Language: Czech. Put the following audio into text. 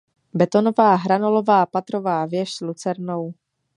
Betonová hranolová patrová věž s lucernou.